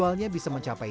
airnya akan lebih sedikit